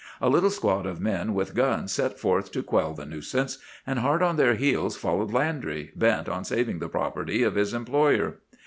A little squad of men with guns set forth to quell the nuisance; and hard on their heels followed Landry, bent on saving the property of his employer.